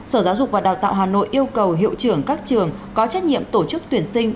sở giáo dục và đào tạo hà nội yêu cầu hiệu trưởng các trường có trách nhiệm tổ chức tuyển sinh